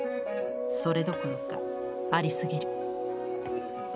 それどころかありすぎる」。